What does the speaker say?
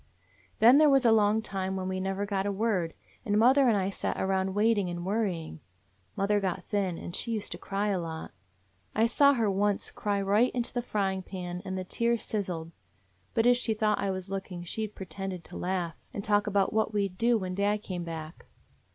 "Then there was a long time when we never got a word, and mother and I sat around wait ing and worrying. Mother got thin, and she used to cry a lot. I saw her once cry right into the frying pan, and the tears sizzled. But if she thought I was looking she 'd pretend to laugh and talk about what we 'd do when dad came back.